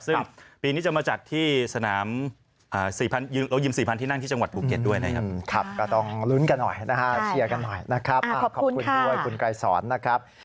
ซึ่งปีนี้จะมาจัดที่สนามยิม๔๐๐๐ที่นั่งที่จังหวัดบุเก็ตด้วยนะครับ